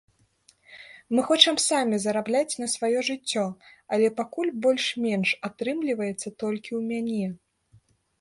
Мы хочам самі зарабляць на сваё жыццё, але пакуль больш-менш атрымліваецца толькі ў мяне.